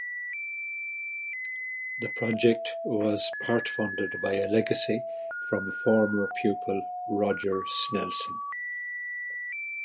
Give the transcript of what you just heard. The project was part-funded by a legacy from former pupil Roger Snelson.